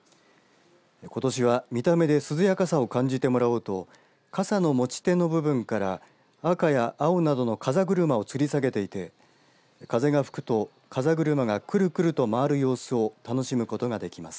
ことしは見た目で涼やかさを感じてもらおうと傘の持ち手の部分から赤や青などの風車をつり下げていて風が吹くと風車がくるくると回る様子を楽しむことができます。